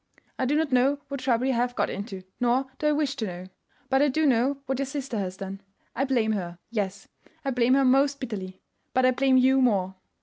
I do not know what trouble you have got into, nor do I wish to know; but I do know what your sister has done. I blame her—yes, I blame her most bitterly; but I blame you more."